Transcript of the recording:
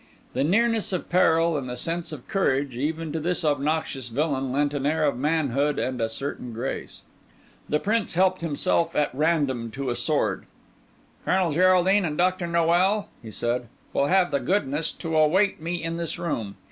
The nearness of peril, and the sense of courage, even to this obnoxious villain, lent an air of manhood and a certain grace. The Prince helped himself at random to a sword. "Colonel Geraldine and Doctor Noel," he said, "will have the goodness to await me in this room.